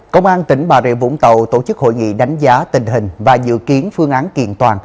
công an tỉnh bà rịa vũng tàu tổ chức hội nghị đánh giá tình hình và dự kiến phương án kiện toàn